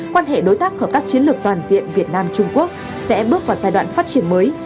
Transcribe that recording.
quan hệ đối tác hợp tác chiến lược toàn diện việt nam trung quốc sẽ bước vào giai đoạn phát triển mới